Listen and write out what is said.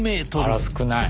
あら少ない。